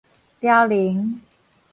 凋零